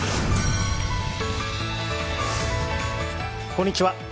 こんにちは。